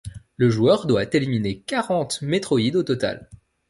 Le joueur doit éliminer quarante métroïdes au total.